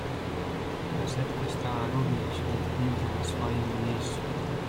"Kasetka stała również nietknięta na swojem miejscu."